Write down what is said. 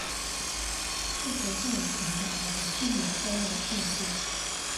事实上传统习俗并没有这样的禁忌。